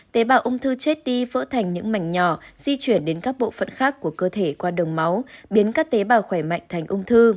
tế bào ung thư chết đi vỡ thành những mảnh nhỏ di chuyển đến các bộ phận khác của cơ thể qua đường máu biến các tế bào khỏe mạnh thành ung thư